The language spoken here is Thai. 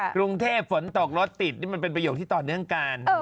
กรุงเทพฝนตกรถติดนี่มันเป็นประโยคที่ต่อเนื่องกัน